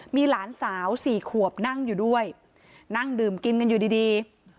มีหลานสาวสี่ขวบนั่งอยู่ด้วยนั่งดื่มกินกันอยู่ดี